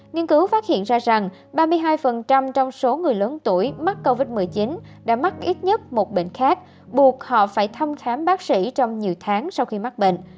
nghiên cứu phát hiện ra rằng ba mươi hai trong số người lớn tuổi mắc covid một mươi chín đã mắc ít nhất một bệnh khác buộc họ phải thăm khám bác sĩ trong nhiều tháng sau khi mắc bệnh